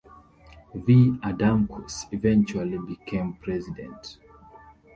V. Adamkus eventually became President.